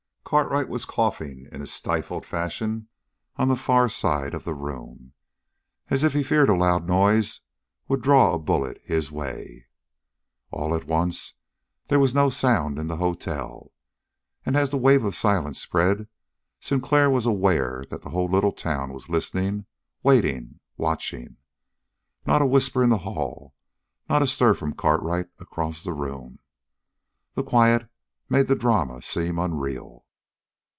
Cartwright was coughing in a stifled fashion on the far side of the room, as if he feared a loud noise would draw a bullet his way. All at once there was no sound in the hotel, and, as the wave of silence spread, Sinclair was aware that the whole little town was listening, waiting, watching. Not a whisper in the hall, not a stir from Cartwright across the room. The quiet made the drama seem unreal.